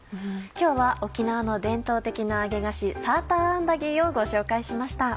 今日は沖縄の伝統的な揚げ菓子サーターアンダギーをご紹介しました。